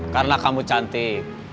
karena kamu cantik